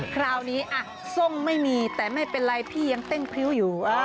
คราวนี้ส้มไม่มีแต่ไม่เป็นไรพี่ยังเต้นพริ้วอยู่